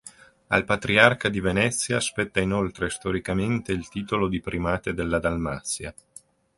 Al patriarca di Venezia spetta inoltre storicamente il titolo di primate della Dalmazia.